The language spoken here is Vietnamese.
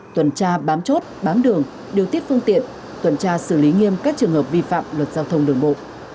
tuần tra bám chốt bám đường điều tiết phương tiện tuần tra xử lý nghiêm các trường hợp vi phạm luật giao thông đường bộ